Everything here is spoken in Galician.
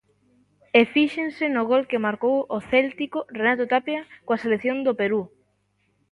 E fíxense no gol que marcou o céltico Renato Tapia coa selección do Perú.